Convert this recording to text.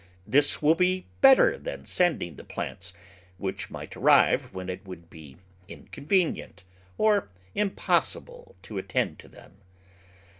This will be better than sending the plants, which might arrive when it would be incon venient or impossible to attend to them.